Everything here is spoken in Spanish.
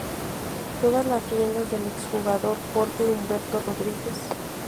Tomando las riendas el ex jugador Jorge Humberto Rodríguez.